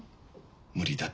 無理だって話。